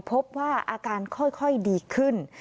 พบว่าอาการค่อยดีขึ้น